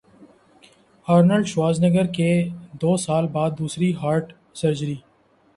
Arnold Schwarzenegger کی دو سال بعد دوسری ہارٹ سرجری